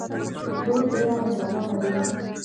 لور ډیره محربانه وی